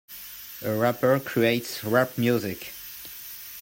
A rapper creates rap music.